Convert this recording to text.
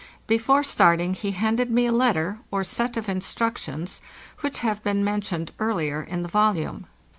Before starting, he handed me a letter, or set of instructions, which have been mentioned earlier in the volume.